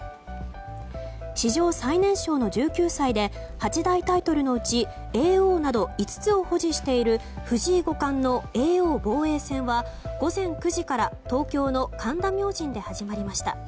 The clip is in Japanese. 史上最年少の１９歳で八大タイトルのうち叡王など５つを保持している藤井五冠の叡王防衛戦は午前９時から東京の神田明神で始まりました。